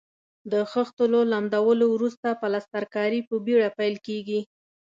د خښتو له لمدولو وروسته پلسترکاري په بېړه پیل کیږي.